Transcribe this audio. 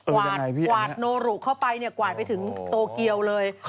กวาดโนรุเข้าไปกวาดไปถึงโตเกียวเลย